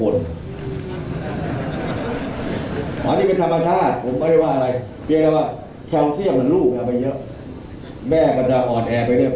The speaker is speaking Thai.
ระวังตัวนี้ด้วยผมไม่ได้ห้ามไม่ให้มีลูกนะเดี๋ยวให้บิดพื้นเท่าไหร่